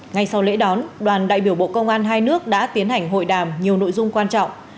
ngay sau lễ đón đoàn đại biểu bộ công an hai nước đã tiến hành hội đàm nhiều nội dung quan trọng